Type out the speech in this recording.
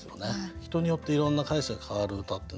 人によっていろんな解釈変わる歌ってね